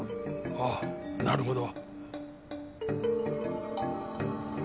ああなるほど。